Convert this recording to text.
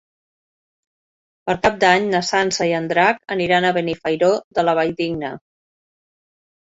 Per Cap d'Any na Sança i en Drac aniran a Benifairó de la Valldigna.